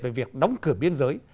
về việc đóng cửa biên giới